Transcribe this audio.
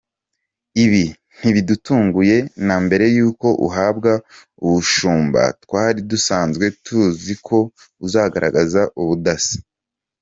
Ibi ntibidutunguye, na mbere y’uko uhabwa ubushumba twari dusanzwe tuzi ko uzagaragaza ubudasa.